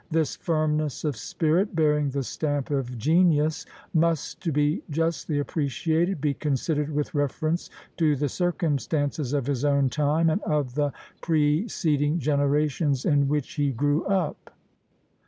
This firmness of spirit, bearing the stamp of genius, must, to be justly appreciated, be considered with reference to the circumstances of his own time, and of the preceding generations in which he grew up.